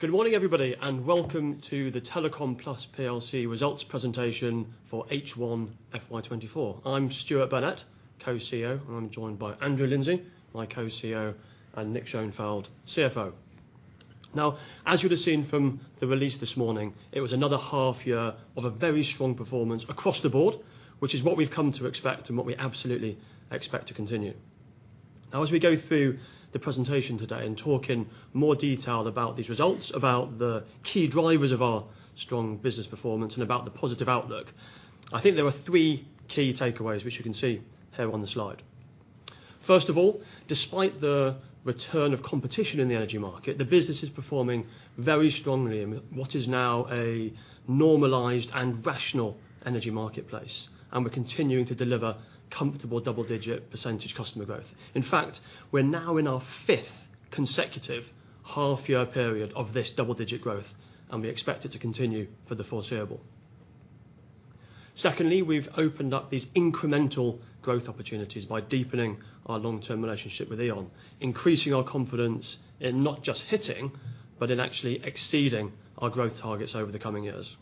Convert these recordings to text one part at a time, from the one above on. Good morning, everybody, and welcome to the Telecom Plus PLC results presentation for H1 FY 2024. I'm Stuart Burnett, co-CEO, and I'm joined by Andrew Lindsay, my co-CEO, and Nick Schoenfeld, CFO. Now, as you'd have seen from the release this morning, it was another half year of a very strong performance across the board, which is what we've come to expect and what we absolutely expect to continue. Now, as we go through the presentation today and talk in more detail about these results, about the key drivers of our strong business performance, and about the positive outlook, I think there are three key takeaways, which you can see here on the slide. First of all, despite the return of competition in the energy market, the business is performing very strongly in what is now a normalized and rational energy marketplace, and we're continuing to deliver comfortable double-digit % customer growth. In fact, we're now in our fifth consecutive half year period of this double-digit growth, and we expect it to continue for the foreseeable. Secondly, we've opened up these incremental growth opportunities by deepening our long-term relationship with E.ON, increasing our confidence in not just hitting, but in actually exceeding our growth targets over the coming years.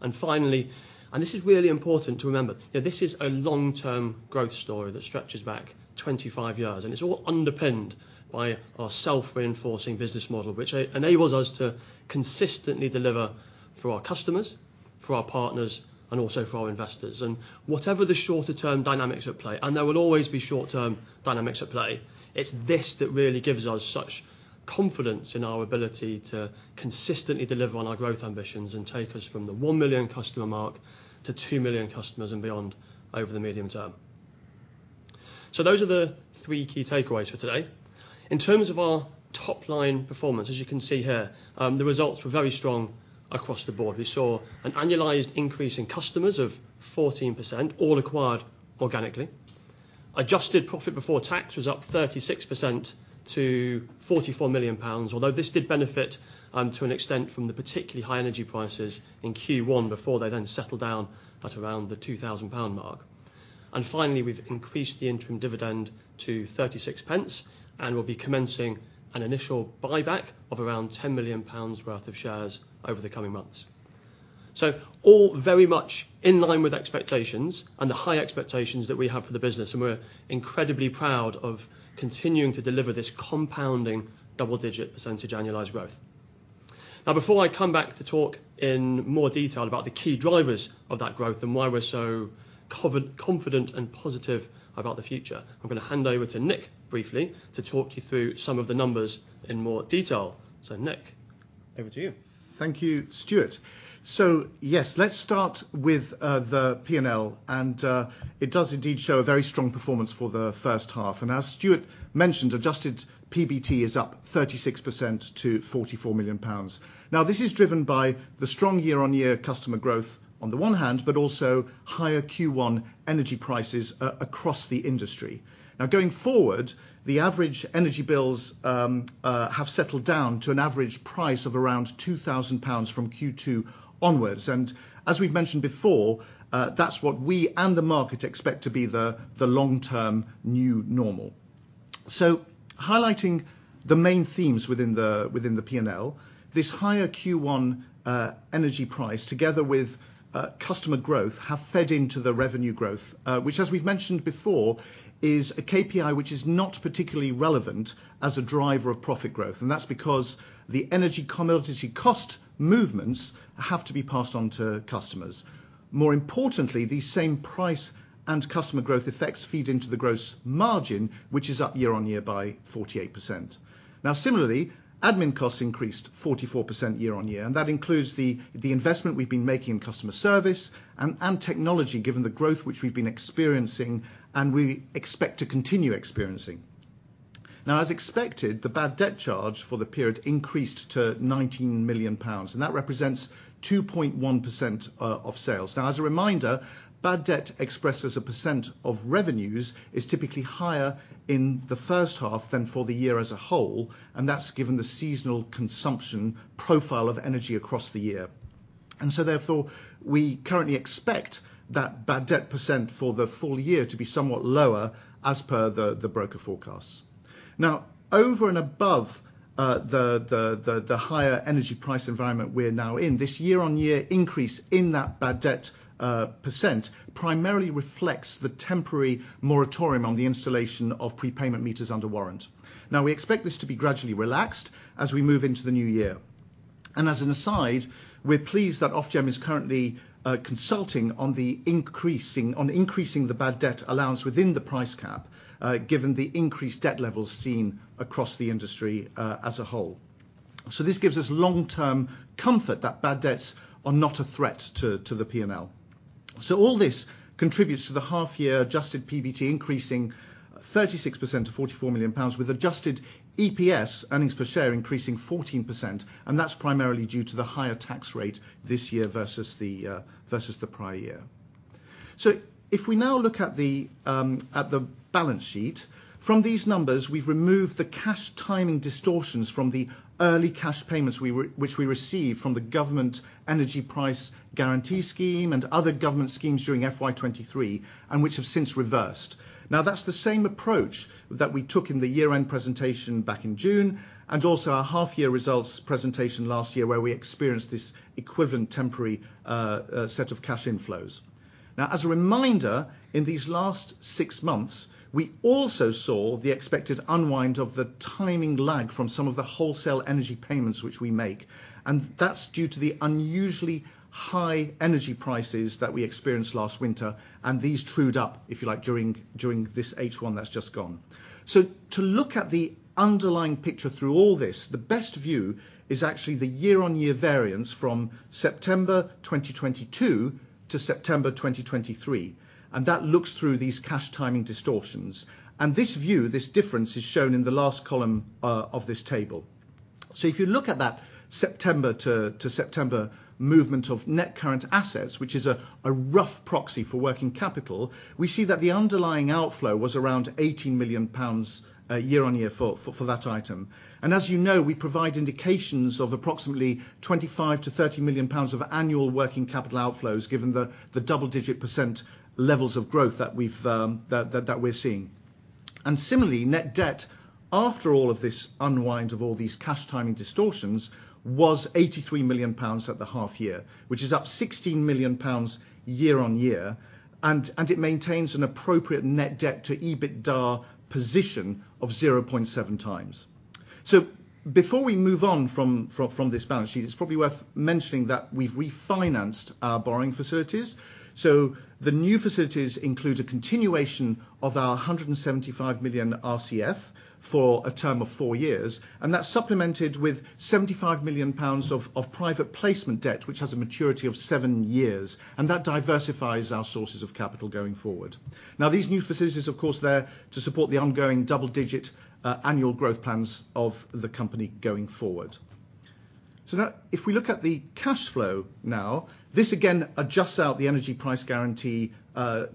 And finally, and this is really important to remember, that this is a long-term growth story that stretches back 25 years, and it's all underpinned by our self-reinforcing business model, which enables us to consistently deliver for our customers, for our partners, and also for our investors. Whatever the shorter term dynamics at play, and there will always be short-term dynamics at play, it's this that really gives us such confidence in our ability to consistently deliver on our growth ambitions and take us from the 1 million customer mark to 2 million customers and beyond over the medium term. Those are the three key takeaways for today. In terms of our top-line performance, as you can see here, the results were very strong across the board. We saw an annualized increase in customers of 14%, all acquired organically. Adjusted profit before tax was up 36% to 44 million pounds, although this did benefit, to an extent from the particularly high energy prices in Q1 before they then settled down at around the 2,000 pound mark. Finally, we've increased the interim dividend to 36 pence, and we'll be commencing an initial buyback of around 10 million pounds worth of shares over the coming months. All very much in line with expectations and the high expectations that we have for the business, and we're incredibly proud of continuing to deliver this compounding double-digit % annualized growth. Now, before I come back to talk in more detail about the key drivers of that growth and why we're so confident and positive about the future, I'm going to hand over to Nick briefly to talk you through some of the numbers in more detail. So, Nick, over to you. Thank you, Stuart. So yes, let's start with the P&L, and it does indeed show a very strong performance for the first half. As Stuart mentioned, adjusted PBT is up 36% to 44 million pounds. Now, this is driven by the strong year-on-year customer growth on the one hand, but also higher Q1 energy prices across the industry. Now, going forward, the average energy bills have settled down to an average price of around 2,000 pounds from Q2 onwards. As we've mentioned before, that's what we and the market expect to be the long-term new normal. Highlighting the main themes within the P&L, this higher Q1 energy price, together with customer growth, have fed into the revenue growth, which, as we've mentioned before, is a KPI which is not particularly relevant as a driver of profit growth, and that's because the energy commodity cost movements have to be passed on to customers. More importantly, these same price and customer growth effects feed into the gross margin, which is up year-on-year by 48%. Now, similarly, admin costs increased 44% year-on-year, and that includes the investment we've been making in customer service and technology, given the growth which we've been experiencing and we expect to continue experiencing. Now, as expected, the bad debt charge for the period increased to 19 million pounds, and that represents 2.1% of sales. Now, as a reminder, bad debt expressed as a % of revenues, is typically higher in the first half than for the year as a whole, and that's given the seasonal consumption profile of energy across the year. And so, therefore, we currently expect that bad debt % for the full year to be somewhat lower as per the higher energy price environment we're now in, this year-on-year increase in that bad debt % primarily reflects the temporary moratorium on the installation of prepayment meters under warrant. Now, we expect this to be gradually relaxed as we move into the new year. And as an aside, we're pleased that Ofgem is currently consulting on increasing the bad debt allowance within the price cap, given the increased debt levels seen across the industry as a whole. So this gives us long-term comfort that bad debts are not a threat to the P&L. So all this contributes to the half year adjusted PBT increasing 36% to 44 million pounds, with adjusted EPS, earnings per share, increasing 14%, and that's primarily due to the higher tax rate this year versus the prior year. So if we now look at the balance sheet, from these numbers, we've removed the cash timing distortions from the early cash payments we were, which we received from the government energy price guarantee scheme and other government schemes during FY 2023, and which have since reversed. Now, that's the same approach that we took in the year-end presentation back in June, and also our half-year results presentation last year, where we experienced this equivalent temporary set of cash inflows. Now, as a reminder, in these last six months, we also saw the expected unwind of the timing lag from some of the wholesale energy payments which we make, and that's due to the unusually high energy prices that we experienced last winter, and these trued up, if you like, during this H1 that's just gone. So to look at the underlying picture through all this, the best view is actually the year-on-year variance from September 2022 to September 2023, and that looks through these cash timing distortions. And this view, this difference, is shown in the last column of this table. So if you look at that September to September movement of net current assets, which is a rough proxy for working capital, we see that the underlying outflow was around 18 million pounds year-on-year for that item. And as you know, we provide indications of approximately 25 million-30 million pounds of annual working capital outflows, given the double-digit % levels of growth that we're seeing. And similarly, net debt, after all of this unwind of all these cash timing distortions, was 83 million pounds at the half year, which is up 16 million pounds year-on-year, and it maintains an appropriate net debt to EBITDA position of 0.7 times. So before we move on from this balance sheet, it's probably worth mentioning that we've refinanced our borrowing facilities. The new facilities include a continuation of our 175 million RCF for a term of four years, and that's supplemented with 75 million pounds of private placement debt, which has a maturity of seven years, and that diversifies our sources of capital going forward. These new facilities, of course, are there to support the ongoing double-digit annual growth plans of the company going forward. If we look at the cash flow now, this again adjusts out the Energy Price Guarantee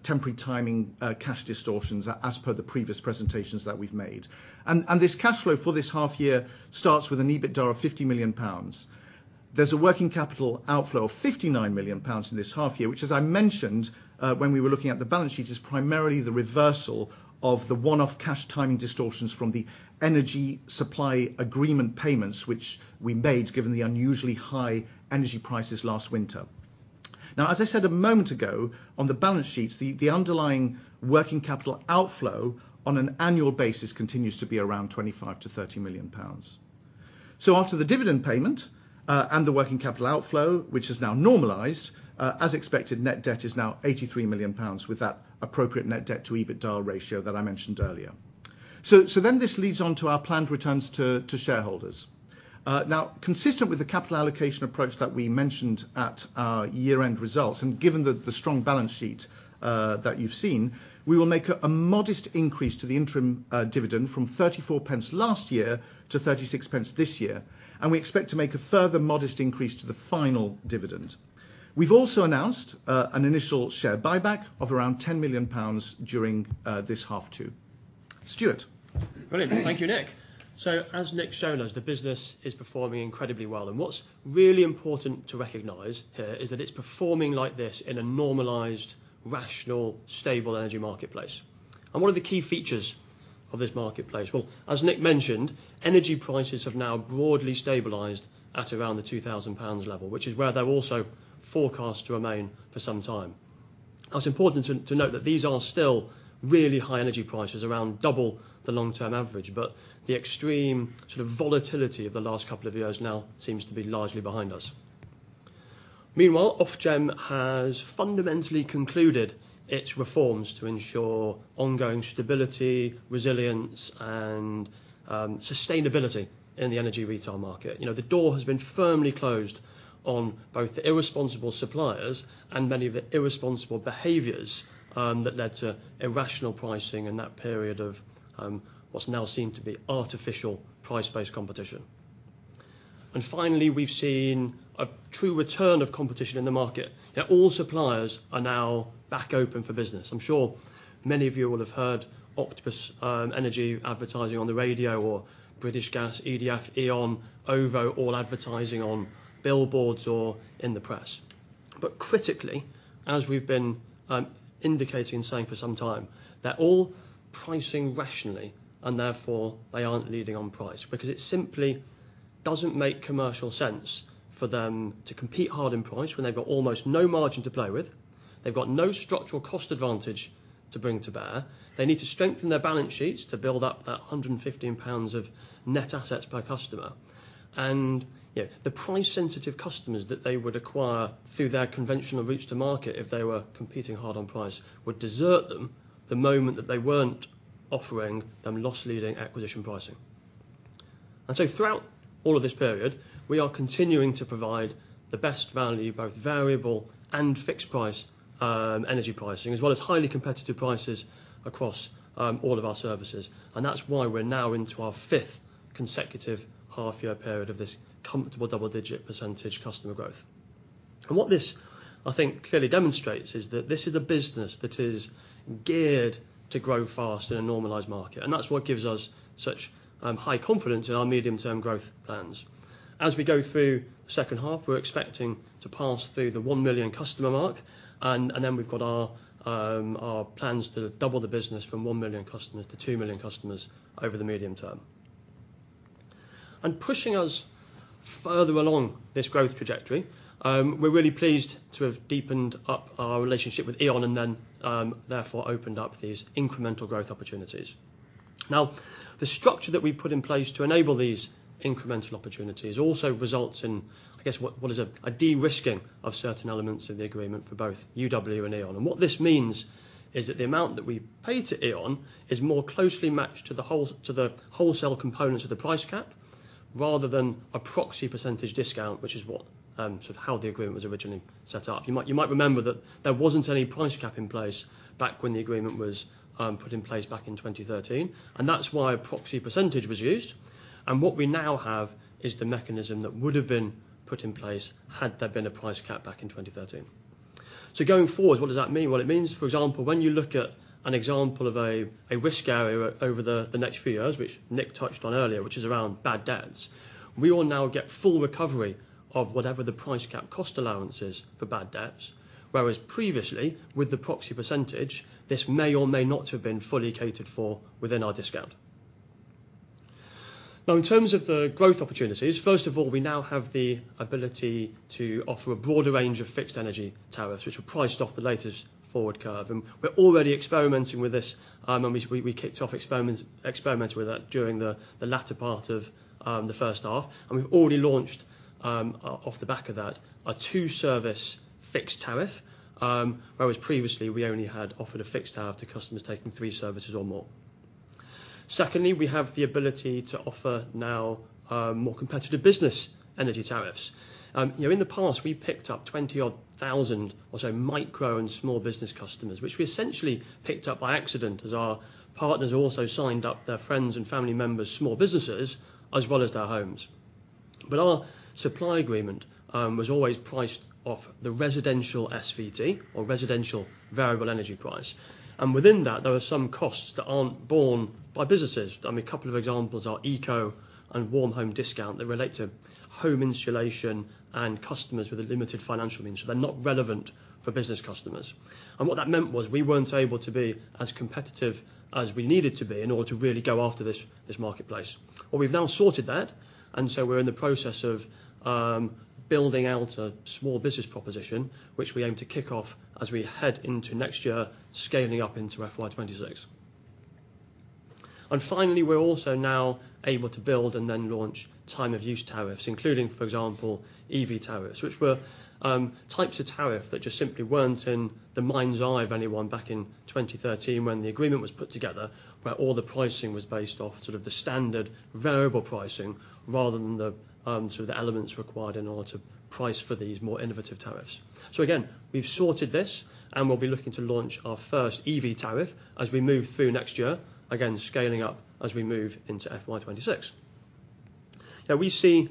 temporary timing cash distortions as per the previous presentations that we've made. This cash flow for this half year starts with an EBITDA of 50 million pounds. There's a working capital outflow of 59 million pounds in this half year, which, as I mentioned, when we were looking at the balance sheet, is primarily the reversal of the one-off cash timing distortions from the energy supply agreement payments, which we made given the unusually high energy prices last winter. Now, as I said a moment ago, on the balance sheet, the, the underlying working capital outflow on an annual basis continues to be around 25 million-30 million pounds. So after the dividend payment, and the working capital outflow, which is now normalized, as expected, net debt is now 83 million pounds, with that appropriate net debt to EBITDA ratio that I mentioned earlier. So, so then this leads on to our planned returns to, to shareholders. Now, consistent with the capital allocation approach that we mentioned at our year-end results, and given the strong balance sheet that you've seen, we will make a modest increase to the interim dividend from 34 pence last year to 36 pence this year, and we expect to make a further modest increase to the final dividend. We've also announced an initial share buyback of around 10 million pounds during this half too. Stuart? Brilliant. Thank you, Nick. So, as Nick shown us, the business is performing incredibly well, and what's really important to recognize here is that it's performing like this in a normalized, rational, stable energy marketplace. And one of the key features of this marketplace, well, as Nick mentioned, energy prices have now broadly stabilized at around the 2,000 pounds level, which is where they're also forecast to remain for some time. Now, it's important to note that these are still really high energy prices, around double the long-term average, but the extreme sort of volatility of the last couple of years now seems to be largely behind us. Meanwhile, Ofgem has fundamentally concluded its reforms to ensure ongoing stability, resilience and sustainability in the energy retail market. You know, the door has been firmly closed on both the irresponsible suppliers and many of the irresponsible behaviors that led to irrational pricing in that period of what's now seen to be artificial price-based competition. Finally, we've seen a true return of competition in the market, that all suppliers are now back open for business. I'm sure many of you will have heard Octopus Energy advertising on the radio, or British Gas, EDF, E.ON, OVO, all advertising on billboards or in the press. But critically, as we've been indicating and saying for some time, they're all pricing rationally, and therefore, they aren't leading on price, because it simply doesn't make commercial sense for them to compete hard on price when they've got almost no margin to play with. They've got no structural cost advantage to bring to bear. They need to strengthen their balance sheets to build up that 115 pounds of net assets per customer. And, you know, the price-sensitive customers that they would acquire through their conventional route to market if they were competing hard on price, would desert them the moment that they weren't offering them loss-leading acquisition pricing. And so throughout all of this period, we are continuing to provide the best value, both variable and fixed-price, energy pricing, as well as highly competitive prices across all of our services, and that's why we're now into our fifth consecutive half-year period of this comfortable double-digit % customer growth. And what this, I think, clearly demonstrates is that this is a business that is geared to grow fast in a normalized market, and that's what gives us such high confidence in our medium-term growth plans.... As we go through the second half, we're expecting to pass through the 1 million customer mark, and then we've got our plans to double the business from 1 million customers to 2 million customers over the medium term. And pushing us further along this growth trajectory, we're really pleased to have deepened up our relationship with E.ON and then, therefore, opened up these incremental growth opportunities. Now, the structure that we put in place to enable these incremental opportunities also results in, I guess, what is a de-risking of certain elements of the agreement for both UW and E.ON. And what this means is that the amount that we pay to E.ON is more closely matched to the whole, to the wholesale components of the Price Cap, rather than a proxy percentage discount, which is what, sort of how the agreement was originally set up. You might, you might remember that there wasn't any Price Cap in place back when the agreement was, put in place back in 2013, and that's why a proxy percentage was used, and what we now have is the mechanism that would have been put in place had there been a Price Cap back in 2013. So going forward, what does that mean? Well, it means, for example, when you look at an example of a risk area over the next few years, which Nick touched on earlier, which is around bad debts, we will now get full recovery of whatever the Price Cap cost allowance is for bad debts. Whereas previously, with the proxy percentage, this may or may not have been fully catered for within our discount. Now, in terms of the growth opportunities, first of all, we now have the ability to offer a broader range of fixed energy tariffs, which were priced off the latest forward curve, and we're already experimenting with this. And we kicked off experiments with that during the latter part of the first half, and we've already launched off the back of that, a two-service fixed tariff. Whereas previously, we only had offered a fixed tariff to customers taking three services or more. Secondly, we have the ability to offer now more competitive business energy tariffs. You know, in the past, we picked up 20,000 or so micro and small business customers, which we essentially picked up by accident, as our partners also signed up their friends and family members' small businesses, as well as their homes. But our supply agreement was always priced off the residential SVT or residential variable energy price, and within that, there are some costs that aren't borne by businesses. A couple of examples are ECO and Warm Home Discount that relate to home insulation and customers with a limited financial means, so they're not relevant for business customers. What that meant was we weren't able to be as competitive as we needed to be in order to really go after this, this marketplace. Well, we've now sorted that, and so we're in the process of, building out a small business proposition, which we aim to kick off as we head into next year, scaling up into FY 2026. And finally, we're also now able to build and then launch time of use tariffs, including, for example, EV tariffs, which were, types of tariff that just simply weren't in the mind's eye of anyone back in 2013, when the agreement was put together, where all the pricing was based off sort of the standard variable pricing rather than the, sort of the elements required in order to price for these more innovative tariffs. So again, we've sorted this, and we'll be looking to launch our first EV tariff as we move through next year. Again, scaling up as we move into FY 2026. Now, we see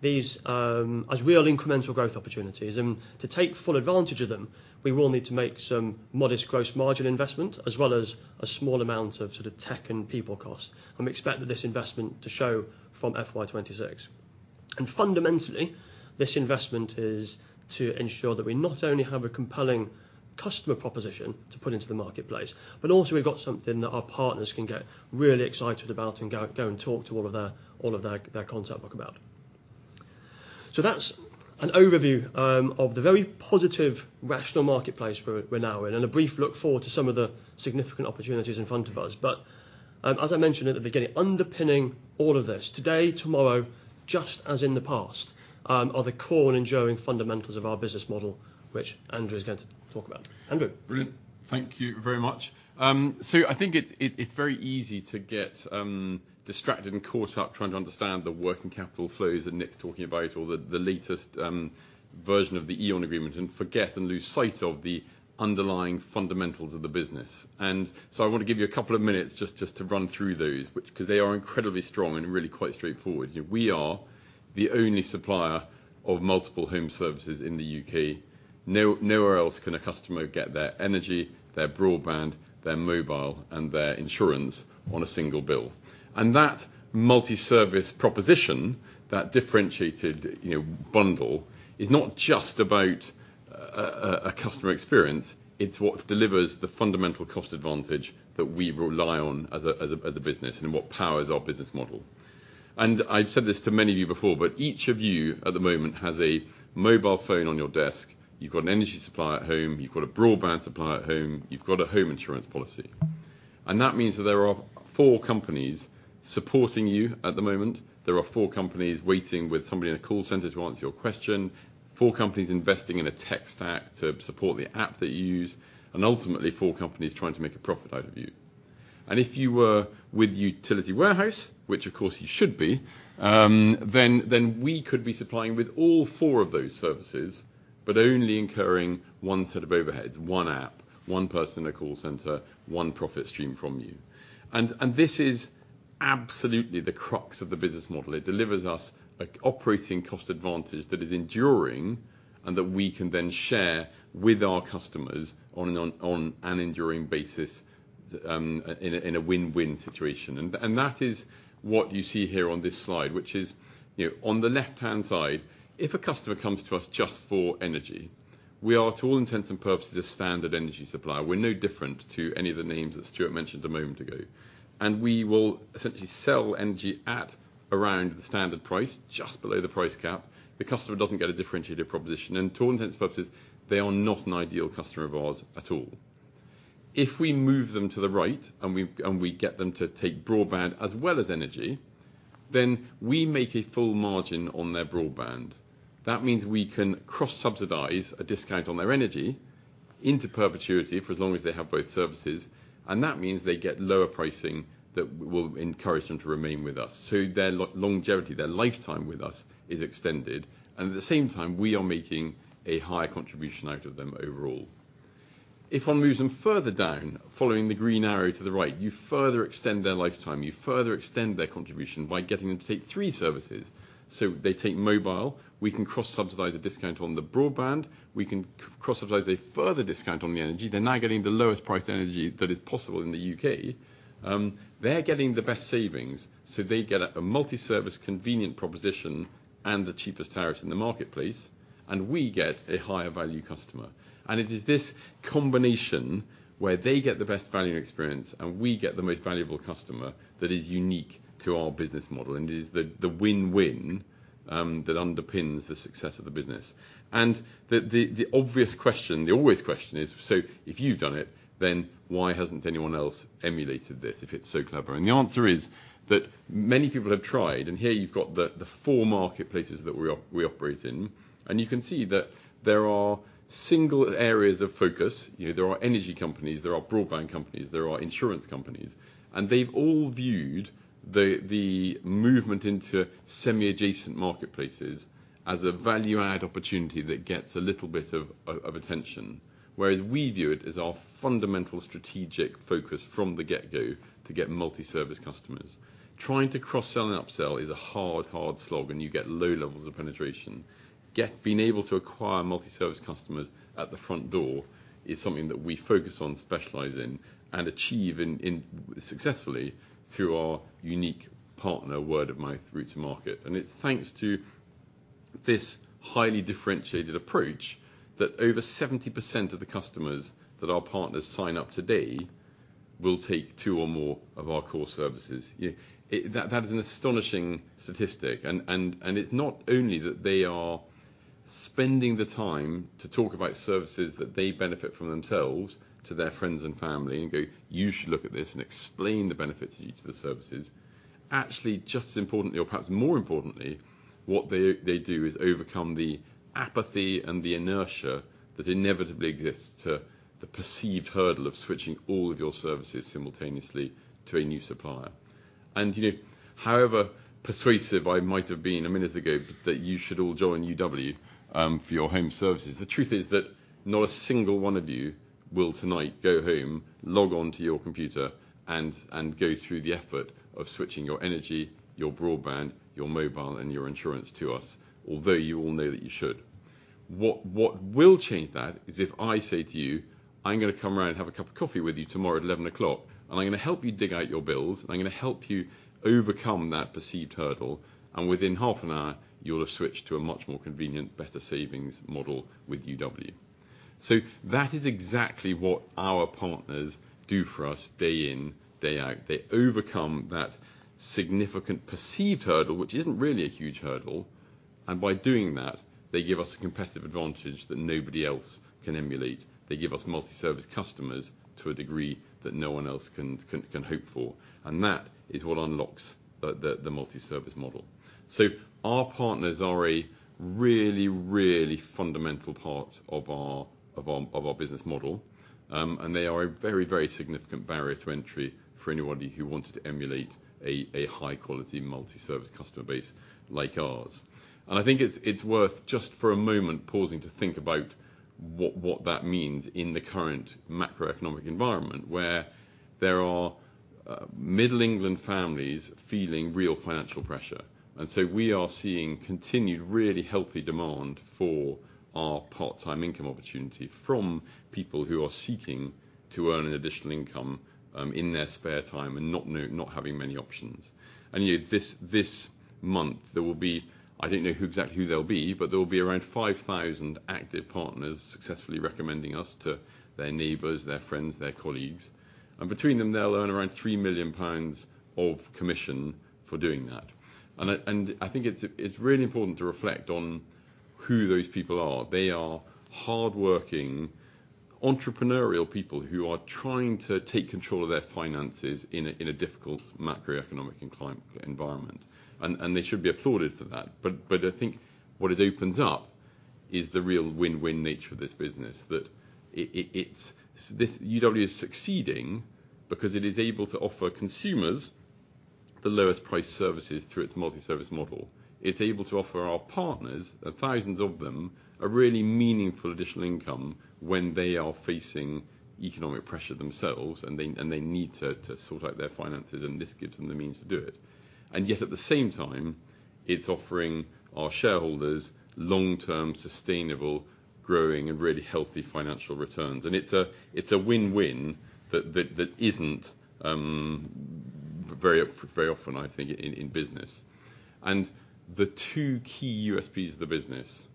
these as real incremental growth opportunities, and to take full advantage of them, we will need to make some modest gross margin investment, as well as a small amount of sort of tech and people cost. And we expect that this investment to show from FY 2026. And fundamentally, this investment is to ensure that we not only have a compelling customer proposition to put into the marketplace, but also we've got something that our partners can get really excited about and go, go and talk to all of their, all of their, their concept work about. So that's an overview of the very positive, rational marketplace we're now in, and a brief look forward to some of the significant opportunities in front of us. But, as I mentioned at the beginning, underpinning all of this, today, tomorrow, just as in the past, are the core and enduring fundamentals of our business model, which Andrew is going to talk about. Andrew? Brilliant. Thank you very much. So I think it's very easy to get distracted and caught up trying to understand the working capital flows that Nick's talking about, or the latest version of the E.ON agreement, and forget and lose sight of the underlying fundamentals of the business. And so I want to give you a couple of minutes just to run through those, which... 'cause they are incredibly strong and really quite straightforward. You know, we are the only supplier of multiple home services in the U.K. Nowhere else can a customer get their energy, their broadband, their mobile, and their insurance on a single bill. That multi-service proposition, that differentiated, you know, bundle, is not just about a customer experience, it's what delivers the fundamental cost advantage that we rely on as a business, and what powers our business model. I've said this to many of you before, but each of you at the moment has a mobile phone on your desk. You've got an energy supplier at home, you've got a broadband supplier at home, you've got a home insurance policy, and that means that there are four companies supporting you at the moment. There are four companies waiting with somebody in a call center to answer your question, four companies investing in a tech stack to support the app that you use, and ultimately, four companies trying to make a profit out of you. And if you were with Utility Warehouse, which of course you should be, then we could be supplying with all four of those services, but only incurring one set of overheads, one app, one person in a call center, one profit stream from you. And this is absolutely the crux of the business model. It delivers us a operating cost advantage that is enduring and that we can then share with our customers on an enduring basis, in a win-win situation. And that is what you see here on this slide, which is, you know, on the left-hand side, if a customer comes to us just for energy—we are, to all intents and purposes, a standard energy supplier. We're no different to any of the names that Stuart mentioned a moment ago. And we will essentially sell energy at around the standard price, just below the price cap. The customer doesn't get a differentiated proposition, and to all intents and purposes, they are not an ideal customer of ours at all. If we move them to the right, and we get them to take broadband as well as energy, then we make a full margin on their broadband. That means we can cross-subsidize a discount on their energy into perpetuity for as long as they have both services, and that means they get lower pricing that will encourage them to remain with us. So their longevity, their lifetime with us is extended, and at the same time, we are making a higher contribution out of them overall. If one moves them further down, following the green arrow to the right, you further extend their lifetime. You further extend their contribution by getting them to take three services. So they take mobile, we can cross-subsidize a discount on the broadband, we can cross-subsidize a further discount on the energy. They're now getting the lowest priced energy that is possible in the UK. They're getting the best savings, so they get a multi-service, convenient proposition and the cheapest tariff in the marketplace, and we get a higher value customer. And it is this combination where they get the best value and experience, and we get the most valuable customer that is unique to our business model, and it is the obvious question, the always question is: so if you've done it, then why hasn't anyone else emulated this if it's so clever? And the answer is that many people have tried, and here you've got the four marketplaces that we operate in, and you can see that there are single areas of focus. You know, there are energy companies, there are broadband companies, there are insurance companies, and they've all viewed the movement into semi-adjacent marketplaces as a value-add opportunity that gets a little bit of attention, whereas we view it as our fundamental strategic focus from the get-go to get multi-service customers. Trying to cross-sell and upsell is a hard, hard slog, and you get low levels of penetration. Being able to acquire multi-service customers at the front door is something that we focus on, specialize in, and achieve successfully through our unique partner word of mouth route to market. And it's thanks to this highly differentiated approach that over 70% of the customers that our partners sign up today will take two or more of our core services. Yeah, that is an astonishing statistic, and it's not only that they are spending the time to talk about services that they benefit from themselves to their friends and family and go: "You should look at this," and explain the benefits of each of the services. Actually, just as importantly or perhaps more importantly, what they do is overcome the apathy and the inertia that inevitably exists to the perceived hurdle of switching all of your services simultaneously to a new supplier. You know, however persuasive I might have been a minute ago, that you should all join UW for your home services, the truth is that not a single one of you will tonight go home, log on to your computer, and go through the effort of switching your energy, your broadband, your mobile, and your insurance to us, although you all know that you should. What will change that is if I say to you, "I'm gonna come round and have a cup of coffee with you tomorrow at 11:00 A.M., and I'm gonna help you dig out your bills, and I'm gonna help you overcome that perceived hurdle," and within half an hour, you'll have switched to a much more convenient, better savings model with UW. So that is exactly what our partners do for us day in, day out. They overcome that significant perceived hurdle, which isn't really a huge hurdle, and by doing that, they give us a competitive advantage that nobody else can emulate. They give us multi-service customers to a degree that no one else can hope for, and that is what unlocks the multi-service model. So our partners are a really, really fundamental part of our business model, and they are a very, very significant barrier to entry for anybody who wanted to emulate a high-quality multi-service customer base like ours. And I think it's worth just for a moment pausing to think about what that means in the current macroeconomic environment, where there are Middle England families feeling real financial pressure. So we are seeing continued really healthy demand for our part-time income opportunity from people who are seeking to earn an additional income in their spare time and not having many options. This month, there will be around 5,000 active partners successfully recommending us to their neighbors, their friends, their colleagues. Between them, they'll earn around 3 million pounds of commission for doing that. I think it's really important to reflect on who those people are. They are hardworking, entrepreneurial people who are trying to take control of their finances in a difficult macroeconomic and climate environment, and they should be applauded for that. But I think what it opens up is the real win-win nature of this business, that it is... This UW is succeeding because it is able to offer consumers the lowest priced services through its multi-service model. It's able to offer our partners, and thousands of them, a really meaningful additional income when they are facing economic pressure themselves, and they need to sort out their finances, and this gives them the means to do it. And yet, at the same time, it's offering our shareholders long-term, sustainable, growing, and really healthy financial returns. And it's a win-win that isn't very, very often, I think, in business. The two key USPs of the business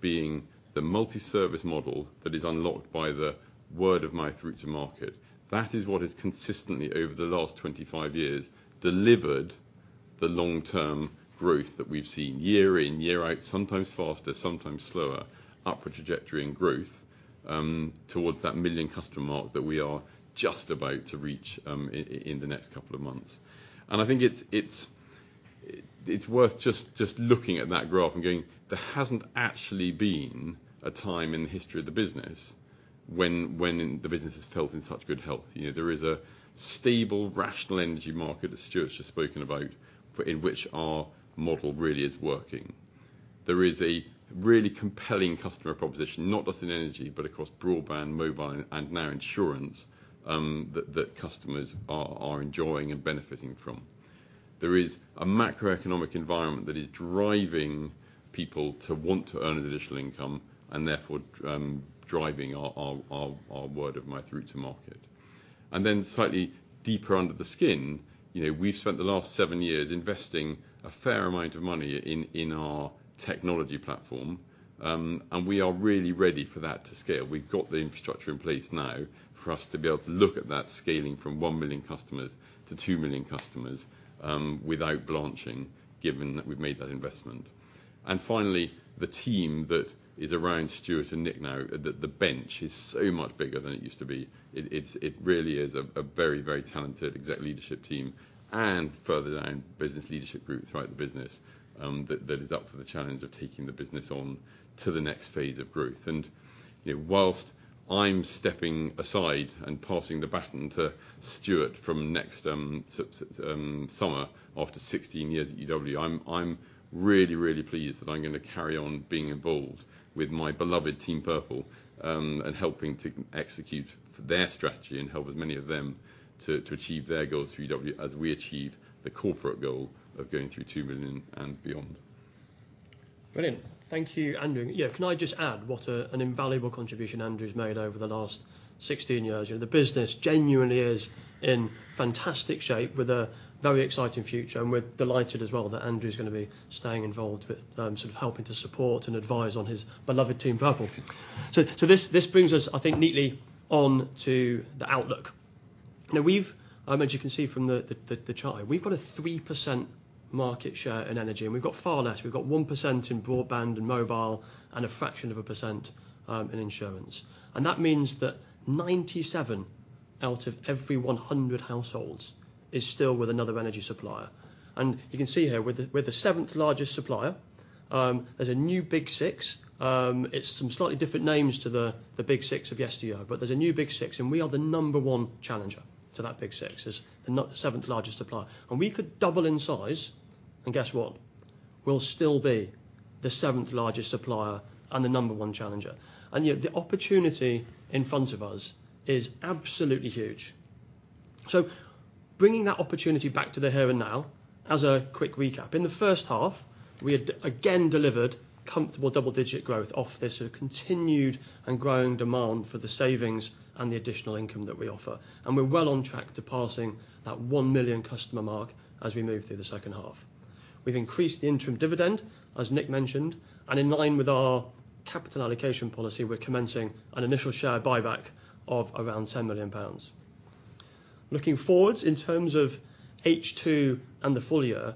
being the multi-service model that is unlocked by the word-of-mouth route to market, that is what has consistently, over the last 25 years, delivered the long-term growth that we've seen year in, year out, sometimes faster, sometimes slower, upward trajectory in growth, towards that 1 million customer mark that we are just about to reach, in the next couple of months. I think it's worth just looking at that graph and going, there hasn't actually been a time in the history of the business when the business is held in such good health. You know, there is a stable, rational energy market, as Stuart's just spoken about, for in which our model really is working. There is a really compelling customer proposition, not just in energy, but across broadband, mobile, and now insurance, that customers are enjoying and benefiting from. There is a macroeconomic environment that is driving people to want to earn an additional income, and therefore, driving our word of mouth through to market. And then slightly deeper under the skin, you know, we've spent the last 7 years investing a fair amount of money in our technology platform, and we are really ready for that to scale. We've got the infrastructure in place now for us to be able to look at that scaling from 1 million customers to 2 million customers, without blanching, given that we've made that investment. Finally, the team that is around Stuart and Nick now, the bench is so much bigger than it used to be. It's really a very, very talented exec leadership team and further down, business leadership group throughout the business, that is up for the challenge of taking the business on to the next phase of growth. You know, whilst I'm stepping aside and passing the baton to Stuart from next summer, after 16 years at UW, I'm really, really pleased that I'm gonna carry on being involved with my beloved Team Purple, and helping to execute their strategy and help as many of them to achieve their goals through UW, as we achieve the corporate goal of going through 2 million and beyond. Brilliant. Thank you, Andrew. Yeah, can I just add what an invaluable contribution Andrew's made over the last 16 years? You know, the business genuinely is in fantastic shape with a very exciting future, and we're delighted as well that Andrew's gonna be staying involved with, sort of helping to support and advise on his beloved Team Purple. So this brings us, I think, neatly on to the outlook. Now, we've, as you can see from the chart, we've got a 3% market share in energy, and we've got far less. We've got 1% in broadband and mobile and a fraction of a percent in insurance, and that means that 97 out of every 100 households is still with another energy supplier. And you can see here, we're the seventh-largest supplier. There's a new Big Six. It's some slightly different names to the, the Big Six of yesteryear, but there's a new Big Six, and we are the number one challenger to that Big Six, as the seventh-largest supplier. And we could double in size, and guess what? We'll still be the seventh-largest supplier and the number one challenger. And, you know, the opportunity in front of us is absolutely huge. So bringing that opportunity back to the here and now, as a quick recap. In the first half, we had again delivered comfortable double-digit growth off this, a continued and growing demand for the savings and the additional income that we offer, and we're well on track to passing that 1 million customer mark as we move through the second half. We've increased the interim dividend, as Nick mentioned, and in line with our capital allocation policy, we're commencing an initial share buyback of around 10 million pounds. Looking forwards in terms of H2 and the full year,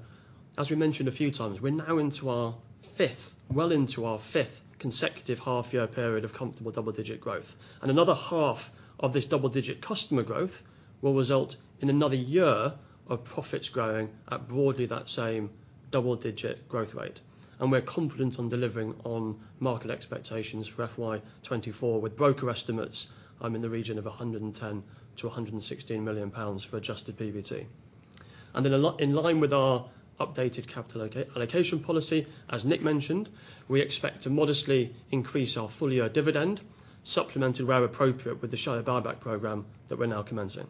as we mentioned a few times, we're now into our fifth, well into our fifth consecutive half year period of comfortable double-digit growth. Another half of this double-digit customer growth will result in another year of profits growing at broadly that same double-digit growth rate, and we're confident on delivering on market expectations for FY 2024, with broker estimates in the region of 110 million-116 million pounds for Adjusted PBT. And then, in line with our updated capital allocation policy, as Nick mentioned, we expect to modestly increase our full-year dividend, supplemented where appropriate with the share buyback program that we're now commencing.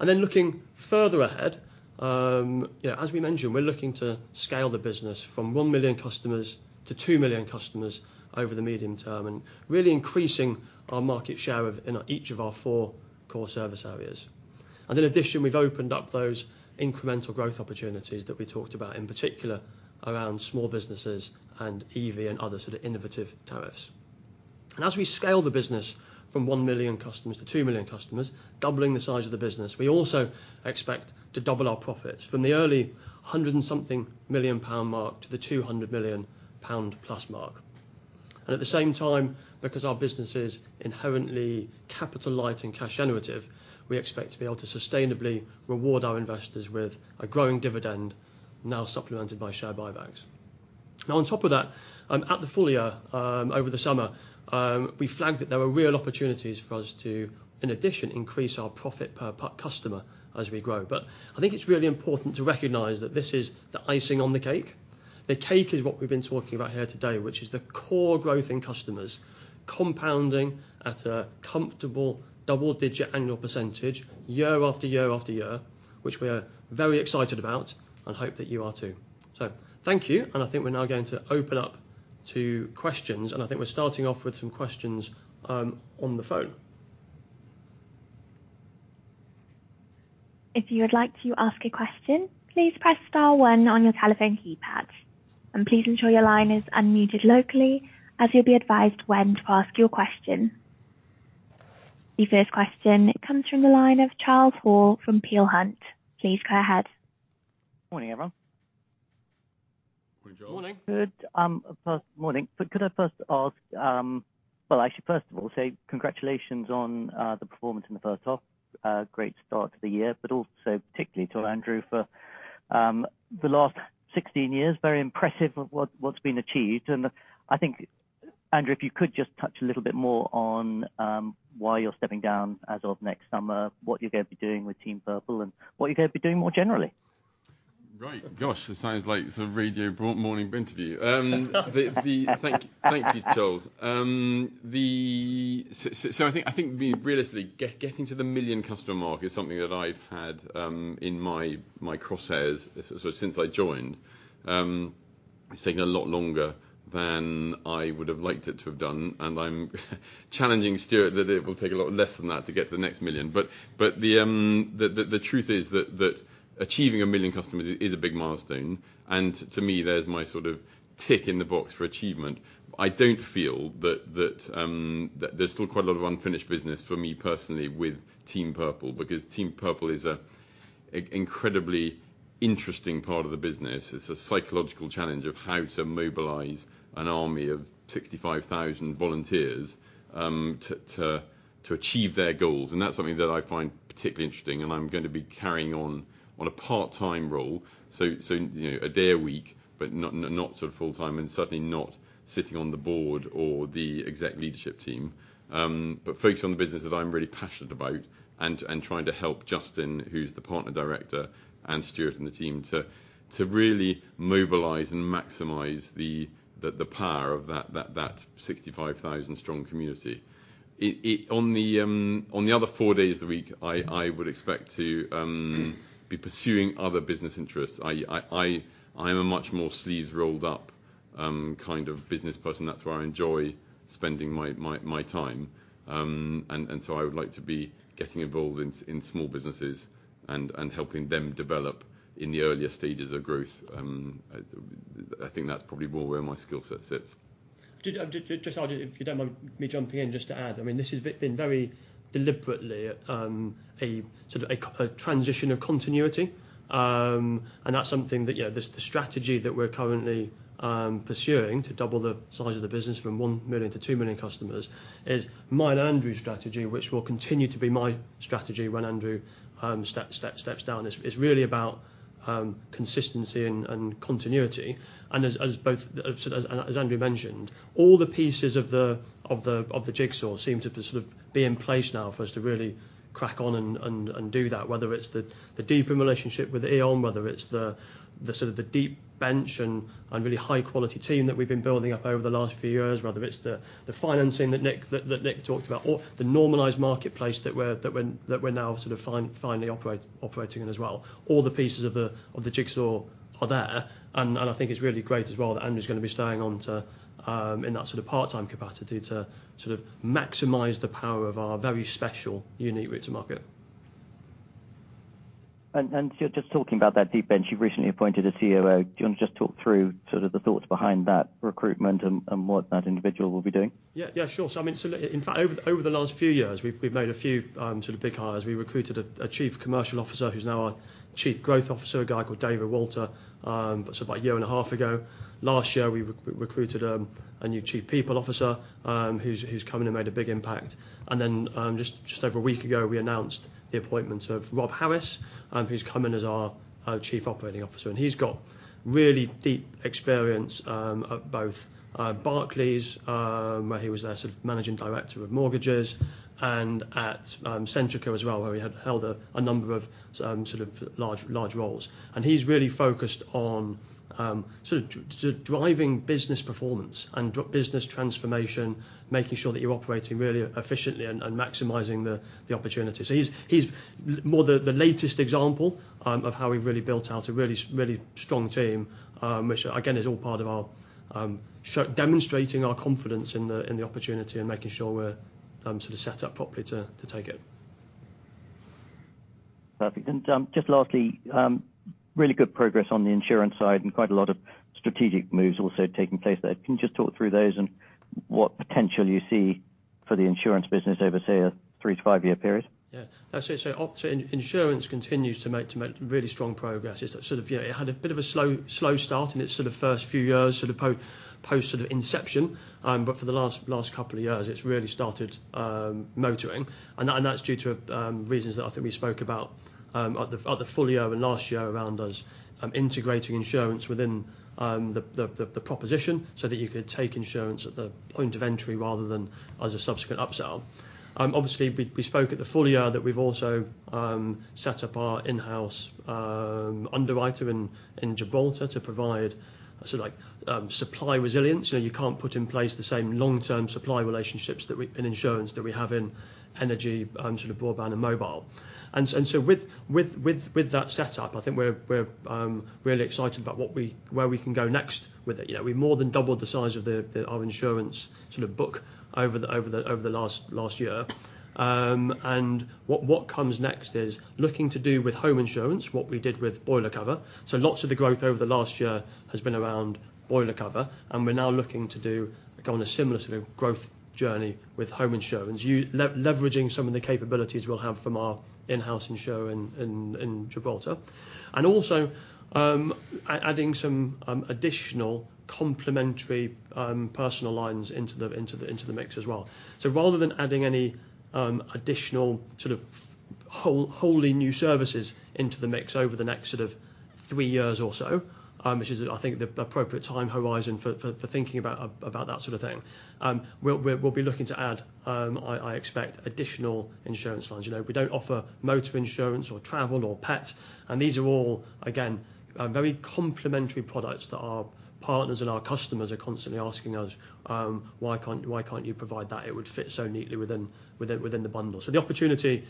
And then, looking further ahead, yeah, as we mentioned, we're looking to scale the business from 1 million customers to 2 million customers over the medium term, and really increasing our market share of... in each of our four core service areas. And in addition, we've opened up those incremental growth opportunities that we talked about, in particular, around small businesses and EV and other sort of innovative tariffs. And as we scale the business from 1 million customers to 2 million customers, doubling the size of the business, we also expect to double our profits from the early 100 and something million GBP mark to the 200 million pound plus mark. And at the same time, because our business is inherently capital light and cash generative, we expect to be able to sustainably reward our investors with a growing dividend, now supplemented by share buybacks. Now, on top of that, at the full year, over the summer, we flagged that there were real opportunities for us to, in addition, increase our profit per customer as we grow. But I think it's really important to recognize that this is the icing on the cake. The cake is what we've been talking about here today, which is the core growth in customers, compounding at a comfortable double-digit annual percentage year after year after year, which we are very excited about and hope that you are too. So thank you, and I think we're now going to open up for-... to questions, and I think we're starting off with some questions on the phone. If you would like to ask a question, please press star one on your telephone keypad. Please ensure your line is unmuted locally, as you'll be advised when to ask your question. The first question comes from the line of Charles Hall from Peel Hunt. Please go ahead. Morning, everyone. Morning, Charles. Morning! Good morning. But could I first ask... Well, actually, first of all, say congratulations on the performance in the first half. A great start to the year, but also particularly to Andrew for the last 16 years. Very impressive of what, what's been achieved. And I think, Andrew, if you could just touch a little bit more on why you're stepping down as of next summer, what you're going to be doing with Team Purple, and what you're going to be doing more generally. Right. Gosh! It sounds like sort of radio broad morning interview. Thank you, Charles. So I think we realistically getting to the 1 million customer mark is something that I've had in my crosshairs sort of since I joined. It's taken a lot longer than I would have liked it to have done, and I'm challenging Stuart that it will take a lot less than that to get to the next 1 million. But the truth is that achieving 1 million customers is a big milestone, and to me, there's my sort of tick in the box for achievement. I don't feel that there's still quite a lot of unfinished business for me personally with Team Purple. Because Team Purple is an incredibly interesting part of the business. It's a psychological challenge of how to mobilize an army of 65,000 volunteers to achieve their goals, and that's something that I find particularly interesting, and I'm gonna be carrying on in a part-time role. So, you know, a day a week, but not sort of full-time and certainly not sitting on the board or the exec leadership team. But focused on the business that I'm really passionate about, and trying to help Justin, who's the Partner Director, and Stuart, and the team to really mobilize and maximize the power of that 65,000-strong community. On the other four days of the week, I would expect to be pursuing other business interests. I'm a much more sleeves rolled-up kind of business person. That's where I enjoy spending my time. And so I would like to be getting involved in small businesses and helping them develop in the earlier stages of growth. I think that's probably more where my skill set sits. Just if you don't mind me jumping in just to add. I mean, this has been very deliberately a sort of a transition of continuity. And that's something that, you know, the strategy that we're currently pursuing to double the size of the business from 1 million to 2 million customers is mine and Andrew's strategy, which will continue to be my strategy when Andrew steps down. It's really about consistency and continuity, and as Andrew mentioned, all the pieces of the jigsaw seem to sort of be in place now for us to really crack on and do that. Whether it's the deeper relationship with E.ON, whether it's the sort of deep bench and really high quality team that we've been building up over the last few years, whether it's the financing that Nick talked about or the normalized marketplace that we're now sort of finally operating on as well. All the pieces of the jigsaw are there, and I think it's really great as well that Andrew's gonna be staying on to, in that sort of part-time capacity to sort of maximize the power of our very special, unique route to market. And just talking about that deep bench, you've recently appointed a COO. Do you want to just talk through sort of the thoughts behind that recruitment and what that individual will be doing? Yeah, yeah, sure. So I mean, so look, in fact, over the last few years, we've made a few sort of big hires. We recruited a Chief Commercial Officer, who's now our Chief Growth Officer, a guy called David Walter. So about a year and a half ago. Last year, we recruited a new Chief People Officer, who's come in and made a big impact. And then, just over a week ago, we announced the appointment of Rob Harris, who's come in as our Chief Operating Officer, and he's got really deep experience at both Barclays, where he was their sort of managing director of mortgages, and at Centrica as well, where he had held a number of sort of large roles. He's really focused on sort of driving business performance and business transformation, making sure that you're operating really efficiently and maximizing the opportunity. So he's more the latest example of how we've really built out a really strong team. Which, again, is all part of our demonstrating our confidence in the opportunity and making sure we're sort of set up properly to take it. Perfect. And, just lastly, really good progress on the insurance side and quite a lot of strategic moves also taking place there. Can you just talk through those and what potential you see for the insurance business over, say, a 3-5-year period? Yeah. That's it. So our insurance continues to make, to make really strong progress. It's sort of, you know, it had a bit of a slow, slow start in its sort of first few years, sort of post sort of inception, but for the last, last couple of years, it's really started, motoring, and that, and that's due to, reasons that I think we spoke about, at the full year and last year around integrating insurance within, the, the, the proposition so that you could take insurance at the point of entry rather than as a subsequent upsell. Obviously, we, we spoke at the full year that we've also, set up our in-house, underwriter in, in Gibraltar to provide sort of like, supply resilience. So you can't put in place the same long-term supply relationships that we in insurance that we have in energy, sort of broadband and mobile. And so with that setup, I think we're really excited about what we where we can go next with it. You know, we more than doubled the size of the our insurance sort of book over the last year. And what comes next is looking to do with home insurance what we did with boiler cover. So lots of the growth over the last year has been around boiler cover, and we're now looking to go on a similar sort of growth journey with home insurance. Leveraging some of the capabilities we'll have from our in-house insurer in Gibraltar. And also, adding some additional complementary personal lines into the mix as well. So rather than adding any additional sort of wholly new services into the mix over the next sort of three years or so, which is, I think, the appropriate time horizon for thinking about that sort of thing. We'll be looking to add, I expect, additional insurance lines. You know, we don't offer motor insurance or travel or pet, and these are all, again, very complementary products that our partners and our customers are constantly asking us: "Why can't you provide that? It would fit so neatly within the bundle." So the opportunity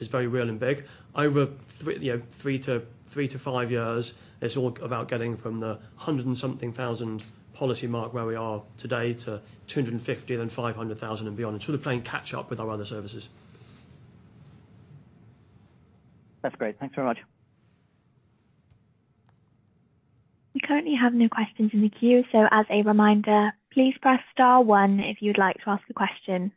is very real and big. Over thri... You know, 3-5 years, it's all about getting from the 100-something thousand policy mark where we are today to 250, then 500,000 and beyond, and sort of playing catch-up with our other services. That's great. Thanks very much. We currently have no questions in the queue, so as a reminder, please press star one if you'd like to ask a question.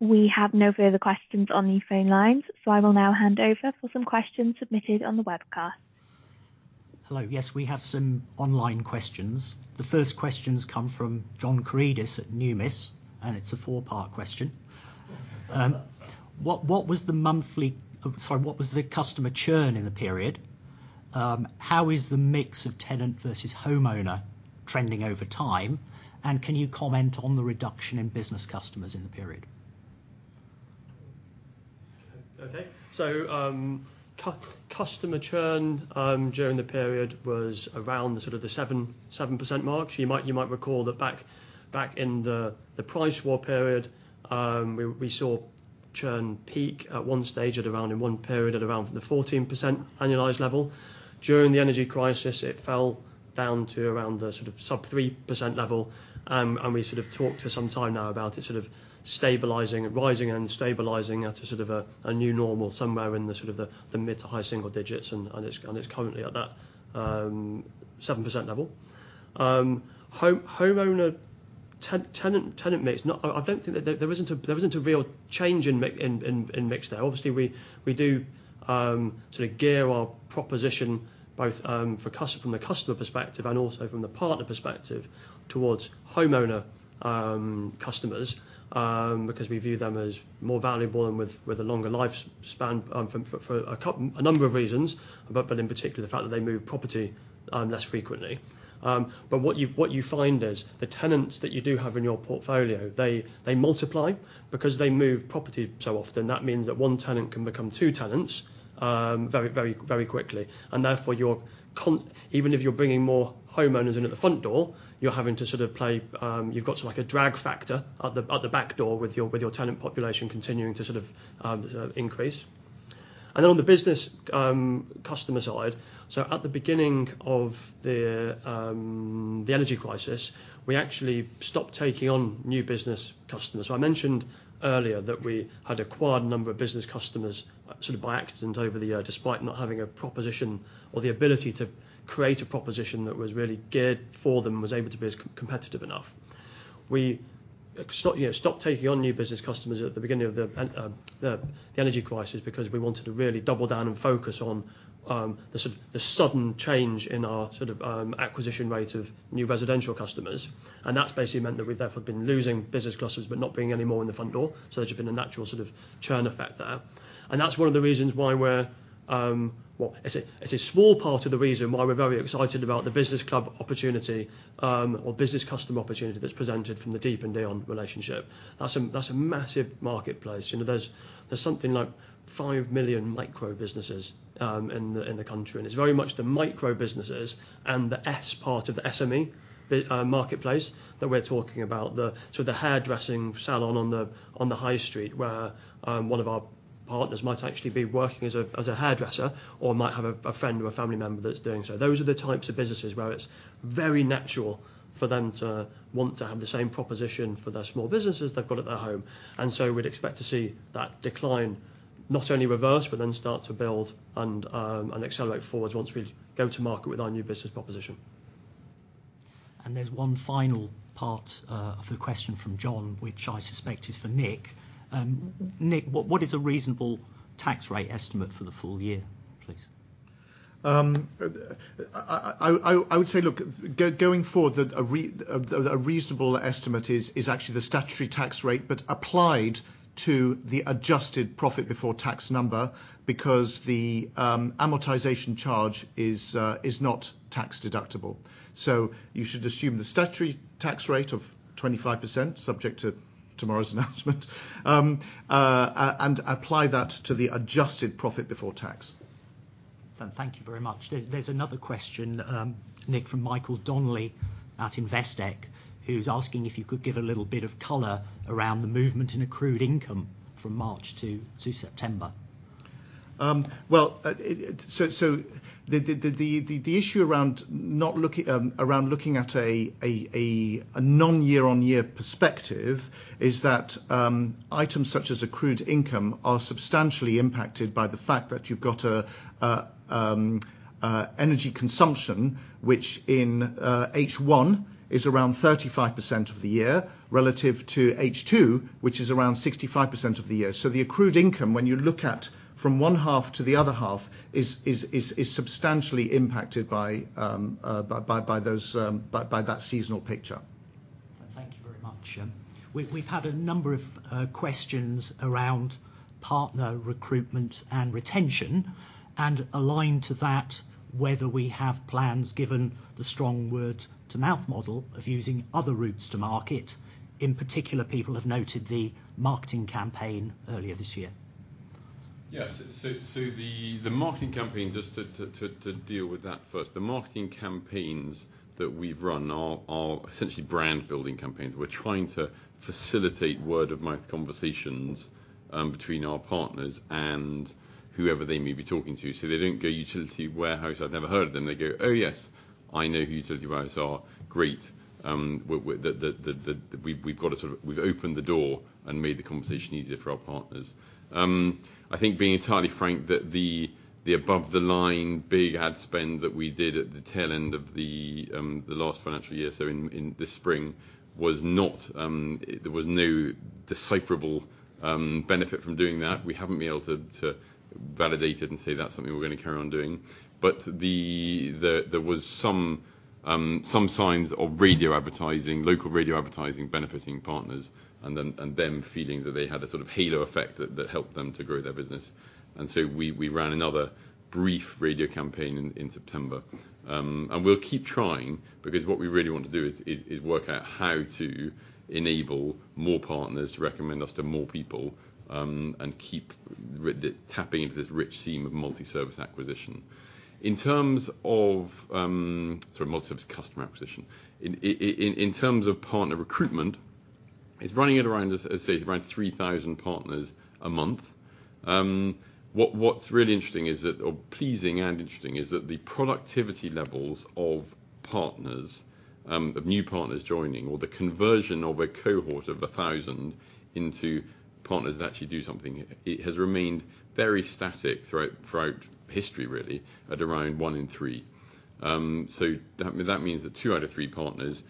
We have no further questions on the phone lines, so I will now hand over for some questions submitted on the webcast. Hello. Yes, we have some online questions. The first questions come from John Karidis at Numis, and it's a four-part question. What was the customer churn in the period? How is the mix of tenant versus homeowner trending over time? And can you comment on the reduction in business customers in the period? Okay. So, customer churn during the period was around the sort of the 7% mark. You might recall that back in the price war period, we saw churn peak at one stage at around, in one period at around the 14% annualized level. During the energy crisis, it fell down to around the sort of sub-3% level. And we sort of talked for some time now about it sort of stabilizing, rising and stabilizing at a sort of a new normal somewhere in the sort of the mid to high single digits, and it's currently at that 7% level. Homeowner-tenant mix, not. I don't think that there isn't a real change in mix there. Obviously, we do sort of gear our proposition both for customer from the customer perspective and also from the partner perspective towards homeowner customers because we view them as more valuable and with a longer life span for a number of reasons, but in particular, the fact that they move property less frequently. But what you find is, the tenants that you do have in your portfolio, they multiply because they move property so often. That means that one tenant can become two tenants very, very, very quickly, and therefore, even if you're bringing more homeowners in at the front door, you're having to sort of play, you've got like a drag factor at the back door with your tenant population continuing to sort of increase. On the business customer side, at the beginning of the energy crisis, we actually stopped taking on new business customers. I mentioned earlier that we had acquired a number of business customers sort of by accident over the year, despite not having a proposition or the ability to create a proposition that was really geared for them and was able to be as competitive enough. We stop, you know, stopped taking on new business customers at the beginning of the pandemic, the energy crisis because we wanted to really double down and focus on the sort of the sudden change in our sort of acquisition rate of new residential customers, and that's basically meant that we've therefore been losing business customers but not bringing any more in the front door. So there's just been a natural sort of churn effect there. And that's one of the reasons why we're. Well, it's a small part of the reason why we're very excited about the business club opportunity or business customer opportunity that's presented from the deepened E.ON relationship. That's a massive marketplace. You know, there's something like 5 million micro businesses in the country, and it's very much the micro businesses and the S part of the SME marketplace that we're talking about. The sort of the hairdressing salon on the high street, where one of our partners might actually be working as a hairdresser or might have a friend or a family member that's doing so. Those are the types of businesses where it's very natural for them to want to have the same proposition for their small businesses they've got at their home. And so we'd expect to see that decline not only reverse, but then start to build and accelerate forwards once we go to market with our new business proposition. There's one final part of the question from John, which I suspect is for Nick. Nick, what, what is a reasonable tax rate estimate for the full year, please?... I would say, look, going forward that a reasonable estimate is actually the statutory tax rate, but applied to the adjusted profit before tax number, because the amortization charge is not tax deductible. So you should assume the statutory tax rate of 25%, subject to tomorrow's announcement, and apply that to the adjusted profit before tax. Thank you very much. There's another question, Nick, from Michael Donnelly at Investec, who's asking if you could give a little bit of color around the movement in accrued income from March to September. Well, the issue around not looking at a non-year-on-year perspective is that items such as accrued income are substantially impacted by the fact that you've got an energy consumption, which in H1 is around 35% of the year, relative to H2, which is around 65% of the year. So the accrued income, when you look at from one half to the other half, is substantially impacted by that seasonal picture. Thank you very much. We've had a number of questions around partner recruitment and retention, and aligned to that, whether we have plans, given the strong word-of-mouth model, of using other routes to market. In particular, people have noted the marketing campaign earlier this year. Yes. So, the marketing campaign, just to deal with that first. The marketing campaigns that we've run are essentially brand-building campaigns. We're trying to facilitate word-of-mouth conversations between our partners and whoever they may be talking to, so they don't go: "Utility Warehouse? I've never heard of them." They go: "Oh, yes, I know who Utility Warehouse are. Great." We've got to sort of—we've opened the door and made the conversation easier for our partners. I think, being entirely frank, that the above-the-line big ad spend that we did at the tail end of the last financial year, so in this spring, was not. There was no decipherable benefit from doing that. We haven't been able to validate it and say that's something we're going to carry on doing. But there was some signs of radio advertising, local radio advertising benefiting partners, and then them feeling that they had a sort of halo effect that helped them to grow their business. And so we ran another brief radio campaign in September. And we'll keep trying, because what we really want to do is work out how to enable more partners to recommend us to more people, and keep tapping into this rich seam of multi-service acquisition. In terms of... Sorry, multi-service customer acquisition. In terms of partner recruitment, it's running at around, as I say, around 3,000 partners a month. What's really interesting, or pleasing and interesting, is that the productivity levels of partners, of new partners joining, or the conversion of a cohort of 1,000 into partners that actually do something, it has remained very static throughout history really, at around 1 in 3. So that means that 2 out of 3 partners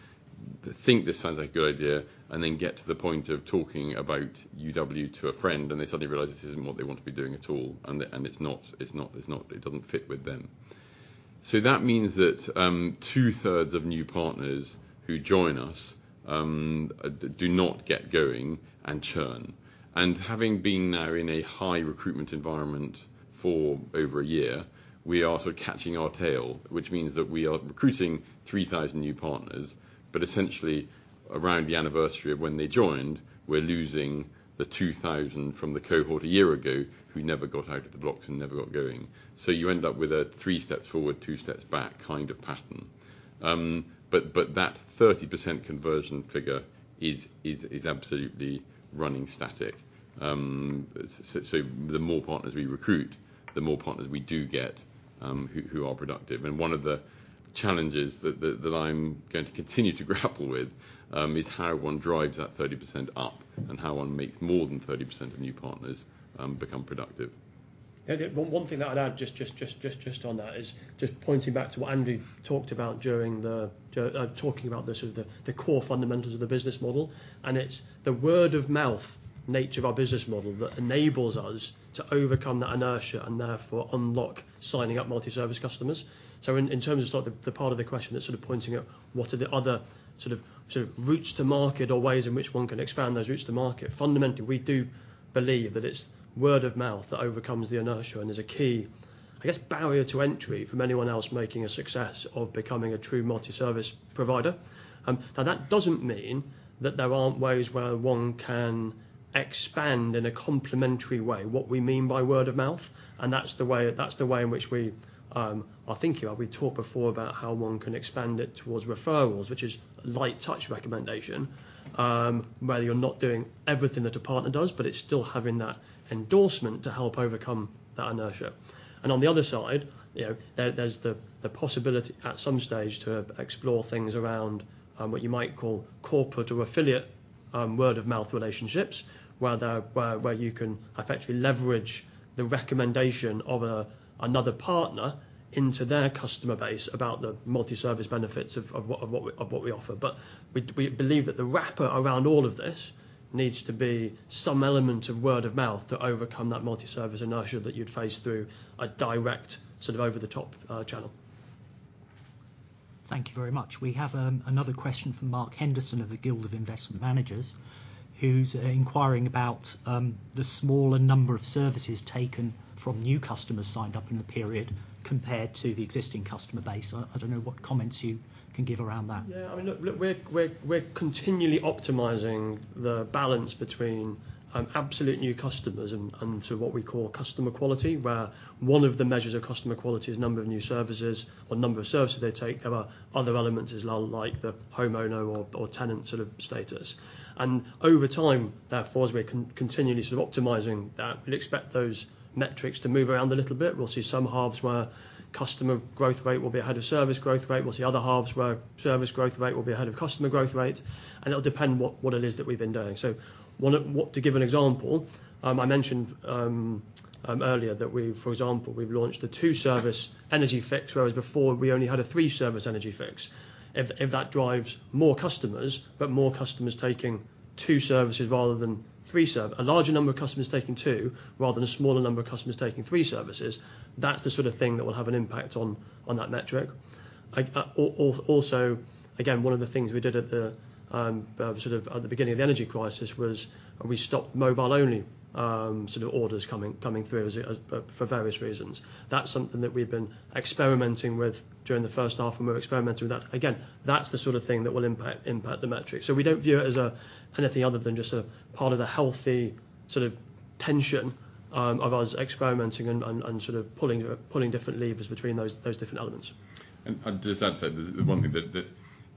think this sounds like a good idea, and then get to the point of talking about UW to a friend, and they suddenly realize this isn't what they want to be doing at all, and it's not. It doesn't fit with them. So that means that 2/3 of new partners who join us do not get going and churn. And having been now in a high-recruitment environment for over a year, we are sort of catching our tail, which means that we are recruiting 3,000 new partners, but essentially, around the anniversary of when they joined, we're losing the 2,000 from the cohort a year ago who never got out of the blocks and never got going. So you end up with a three steps forward, two steps back kind of pattern. But that 30% conversion figure is absolutely running static. So the more partners we recruit, the more partners we do get, who are productive. And one of the challenges that I'm going to continue to grapple with is how one drives that 30% up and how one makes more than 30% of new partners become productive. Yeah, one thing that I'd add, just on that, is just pointing back to what Andrew talked about during the talking about the sort of the core fundamentals of the business model, and it's the word-of-mouth nature of our business model that enables us to overcome that inertia and therefore unlock signing up multi-service customers. So in terms of sort of the part of the question that's sort of pointing at what are the other sort of routes to market or ways in which one can expand those routes to market, fundamentally, we do believe that it's word of mouth that overcomes the inertia and is a key, I guess, barrier to entry from anyone else making a success of becoming a true multi-service provider. Now, that doesn't mean that there aren't ways where one can expand in a complementary way, what we mean by word of mouth, and that's the way, that's the way in which we are thinking about. We've talked before about how one can expand it towards referrals, which is light touch recommendation, where you're not doing everything that a partner does, but it's still having that endorsement to help overcome that inertia. And on the other side, you know, there's the possibility at some stage to explore things around what you might call corporate or affiliate word-of-mouth relationships, where you can effectively leverage the recommendation of another partner into their customer base about the multi-service benefits of what we offer. But we believe that the wrapper around all of this... needs to be some element of word-of-mouth to overcome that multi-service inertia that you'd face through a direct, sort of, over-the-top channel. Thank you very much. We have another question from Mark Henderson of the Guild of Investment Managers, who's inquiring about the smaller number of services taken from new customers signed up in the period compared to the existing customer base. I don't know what comments you can give around that. Yeah, I mean, look, we're continually optimizing the balance between absolute new customers and so what we call customer quality, where one of the measures of customer quality is number of new services or number of services they take. There are other elements as well, like the homeowner or tenant sort of status. And over time, therefore, as we're continually sort of optimizing that, we'd expect those metrics to move around a little bit. We'll see some halves where customer growth rate will be ahead of service growth rate. We'll see other halves where service growth rate will be ahead of customer growth rate, and it'll depend what it is that we've been doing. So one of-- what... To give an example, I mentioned earlier that we've, for example, we've launched a two-service energy fix, whereas before we only had a three-service energy fix. If that drives more customers, but more customers taking two services rather than three services, a larger number of customers taking two rather than a smaller number of customers taking three services, that's the sort of thing that will have an impact on that metric. I also, again, one of the things we did sort of at the beginning of the energy crisis was we stopped mobile-only sort of orders coming through as it for various reasons. That's something that we've been experimenting with during the first half, and we're experimenting with that. Again, that's the sort of thing that will impact the metrics. So we don't view it as anything other than just a part of the healthy sort of tension of us experimenting and sort of pulling different levers between those different elements. And I'd just add to that, there's one thing that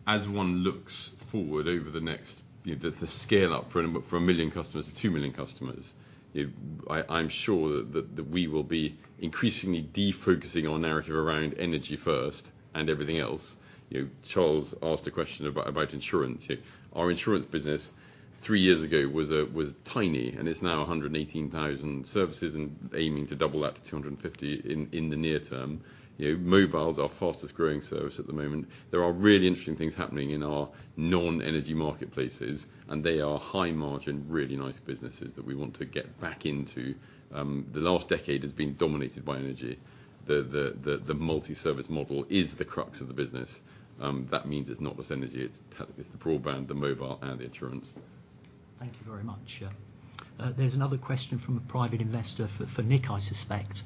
as one looks forward over the next, you know, the scale-up from 1 million customers to 2 million customers, you know, I'm sure that we will be increasingly defocusing our narrative around energy first and everything else. You know, Charles asked a question about insurance. Our insurance business three years ago was tiny, and it's now 118,000 services, and aiming to double that to 250 in the near term. You know, mobile's our fastest growing service at the moment. There are really interesting things happening in our non-energy marketplaces, and they are high margin, really nice businesses that we want to get back into. The last decade has been dominated by energy. The multi-service model is the crux of the business. That means it's not just energy, it's the broadband, the mobile, and the insurance. Thank you very much. There's another question from a private investor for, for Nick, I suspect,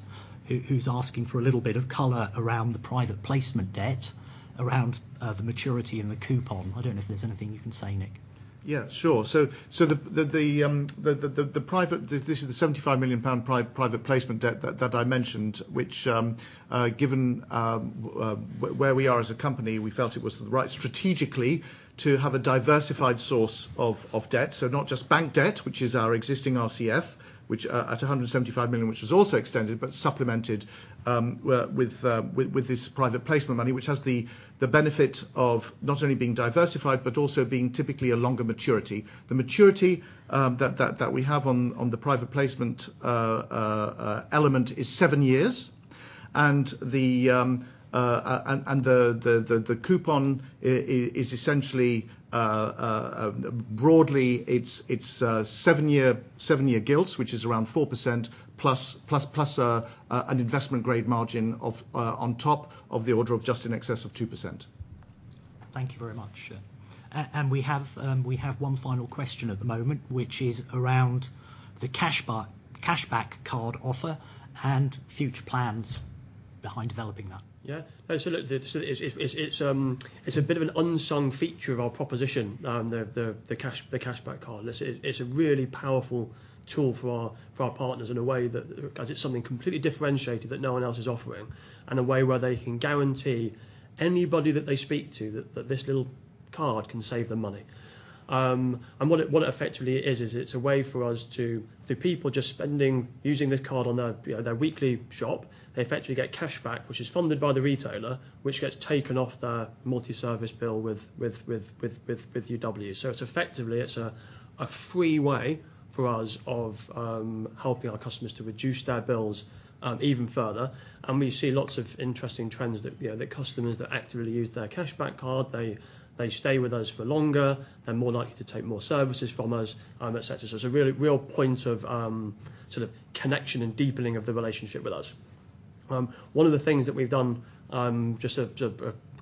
who, who's asking for a little bit of color around the private placement debt, around, the maturity and the coupon. I don't know if there's anything you can say, Nick. Yeah, sure. So the private... This is the 75 million pound private placement debt that I mentioned, which, where we are as a company, we felt it was the right strategically to have a diversified source of debt. So not just bank debt, which is our existing RCF, which at a hundred and seventy-five million, which was also extended, but supplemented with this private placement money, which has the benefit of not only being diversified, but also being typically a longer maturity. The maturity that we have on the private placement element is 7 years, and the coupon is essentially broadly it's 7-year gilts, which is around 4%, plus an investment-grade margin of on top of the order of just in excess of 2%. Thank you very much. And we have, we have one final question at the moment, which is around the Cashback Card offer and future plans behind developing that. Yeah. So look, it's a bit of an unsung feature of our proposition, the cashback card. This is a really powerful tool for our partners in a way that 'cause it's something completely differentiated that no one else is offering, and a way where they can guarantee anybody that they speak to that this little card can save them money. And what it effectively is, it's a way for us to... The people just spending, using this card on their weekly shop, they effectively get cashback, which is funded by the retailer, which gets taken off their multi-service bill with UW. So it's effectively a free way for us of helping our customers to reduce their bills even further. We see lots of interesting trends that, you know, the customers that actively use their cashback card, they stay with us for longer, they're more likely to take more services from us, et cetera. So it's a really real point of sort of connection and deepening of the relationship with us. One of the things that we've done just a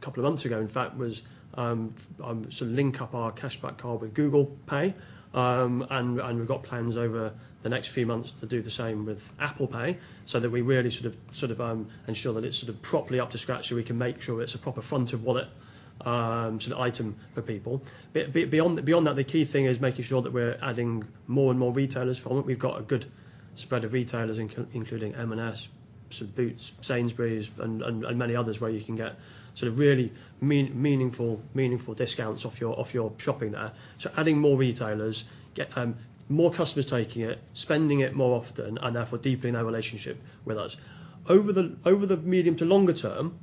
couple of months ago, in fact, was sort of link up our cashback card with Google Pay. And we've got plans over the next few months to do the same with Apple Pay, so that we really sort of ensure that it's sort of properly up to scratch, so we can make sure it's a proper front-of-wallet sort of item for people. Beyond that, the key thing is making sure that we're adding more and more retailers from it. We've got a good spread of retailers, including M&S, sort of Boots, Sainsbury's, and many others, where you can get sort of really meaningful discounts off your shopping there. So adding more retailers, get more customers taking it, spending it more often, and therefore deepening their relationship with us. Over the medium to longer term,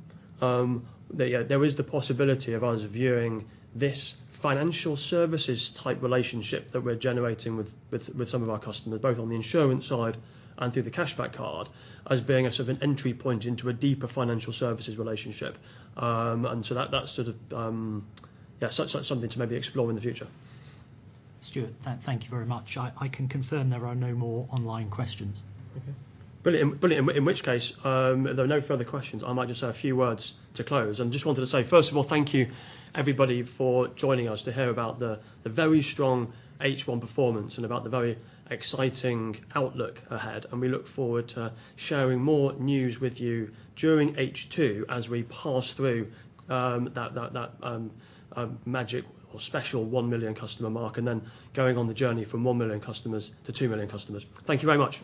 there is the possibility of us viewing this financial services-type relationship that we're generating with some of our customers, both on the insurance side and through the cashback card, as being a sort of an entry point into a deeper financial services relationship. That's sort of, yeah, something to maybe explore in the future. Stuart, thank you very much. I can confirm there are no more online questions. Okay. Brilliant, brilliant. In which case, there are no further questions. I might just have a few words to close. I just wanted to say, first of all, thank you everybody for joining us to hear about the very strong H1 performance and about the very exciting outlook ahead, and we look forward to sharing more news with you during H2 as we pass through that magic or special 1 million customer mark, and then going on the journey from 1 million customers to 2 million customers. Thank you very much.